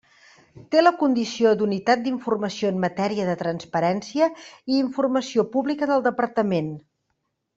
Té la condició d'unitat d'informació en matèria de transparència i informació pública del Departament.